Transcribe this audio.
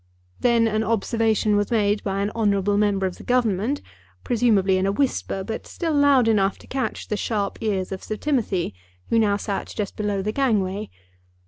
Then an observation was made by an honourable member of the Government, presumably in a whisper, but still loud enough to catch the sharp ears of Sir Timothy, who now sat just below the gangway.